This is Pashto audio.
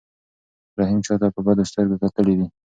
رحیم چاته په بدو سترګو کتلي دي؟